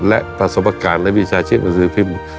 และประสบการณ์ในวิชาชินภาษาภิมศ์